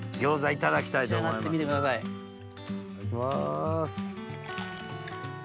いただきます。